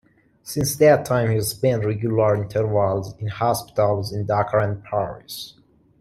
Since that time he spent regular intervals in hospitals in Dakar and Paris.